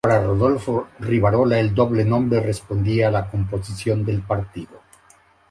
Para Rodolfo Rivarola, el doble nombre respondía a la composición del partido.